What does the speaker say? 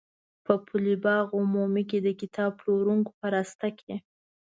په پل باغ عمومي کې د کتاب پلورونکو په راسته کې.